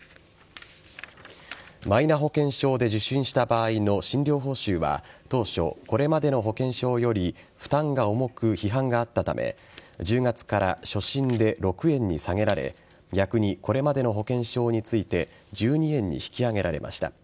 マイナ保険証で受診した場合の診療報酬は当初、これまでの保険証より負担が重く批判があったため１０月から初診で６円に下げられ逆に、これまでの保険証について１２円に引き上げられました。